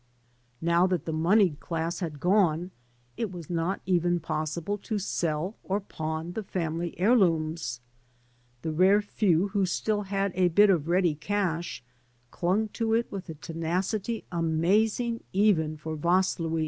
Now that the moneyed class had gone, it was not even possible to sell or pawn the family heirlooms. The rare few who still had a bit of ready cash dung to it with a tenacity amazing even for Vaslui.